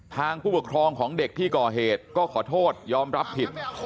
ผู้ปกครองของเด็กที่ก่อเหตุก็ขอโทษยอมรับผิด